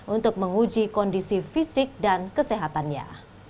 untuk menguji kondisi fisik dan kesehatannya